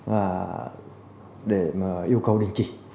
và để yêu cầu đình chỉ